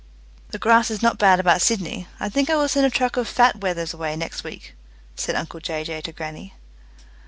"The grass is not bad about Sydney. I think I will send a truck of fat wethers away next week," said uncle Jay Jay to grannie.